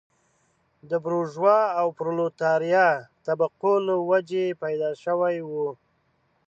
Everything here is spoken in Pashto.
د بورژوا او پرولتاریا طبقو له وجهې پیدا شوی و.